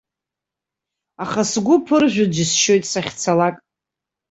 Аха сгәы ԥыржәо џьысшьоит сахьцалак.